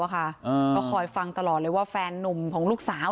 ก็คอยฟังตลอดเลยว่าแฟนนุ่มของลูกสาว